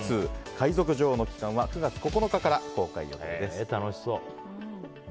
２‐海賊女王の帰還‐」は９月９日から公開予定です。